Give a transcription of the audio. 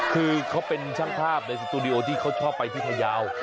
คือเขาเป็นช่างภาพในสตูดิโอที่เขาชอบไปที่พยาว